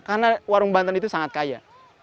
karena warung banten itu sangat kaya